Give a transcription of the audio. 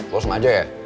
lo sengaja ya